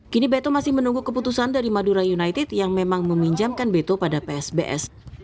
kini beto masih menunggu keputusan dari madura united yang memang meminjamkan beto pada psbs